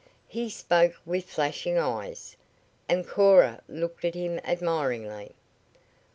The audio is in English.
He spoke with flashing eyes, and Cora looked at him admiringly.